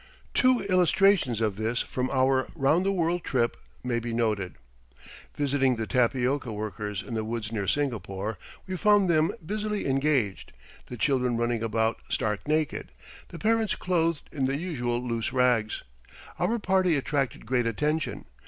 Two illustrations of this from our "Round the World" trip may be noted: Visiting the tapioca workers in the woods near Singapore, we found them busily engaged, the children running about stark naked, the parents clothed in the usual loose rags. Our party attracted great attention.